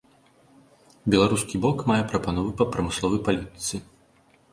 Беларускі бок мае прапановы па прамысловай палітыцы.